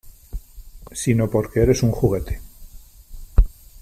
Sino porque eres un juguete .